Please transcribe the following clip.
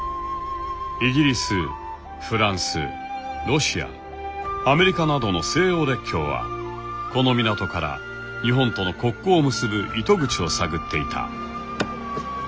イギリスフランスロシアアメリカなどの西欧列強はこの港から日本との国交を結ぶ糸口を探っていた。